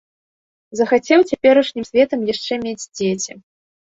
Захацеў цяперашнім светам яшчэ мець дзеці.